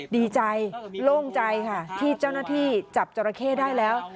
ดีใจโล่งใจค่ะที่เจ้าหน้าที่จับจราเข้ได้แล้ว